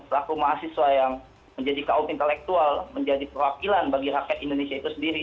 laku mahasiswa yang menjadi kaum intelektual menjadi perwakilan bagi rakyat indonesia itu sendiri